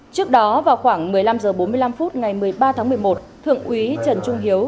trước đó vào khoảng một mươi năm h bốn mươi năm phút ngày một mươi ba tháng một mươi một thượng úy trần trung hiếu